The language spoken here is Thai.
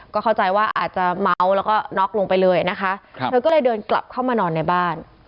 ก็เข้าใจว่าอาจจะเมาแล้วก็น็อกลงไปเลยนะคะเธอก็เลยเดินกลับเข้ามานอนในบ้าน